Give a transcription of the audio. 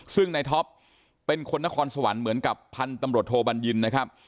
ซึ่งนายท็อปเป็นคนนครสวรรค์เหมือนกับพันธุ์ตำรวจโทบัญญินนะครับ